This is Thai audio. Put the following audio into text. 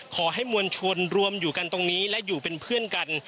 ขอให้มวลชนรวมอยู่กันตรงนี้และอยู่เป็นเพื่อนกัน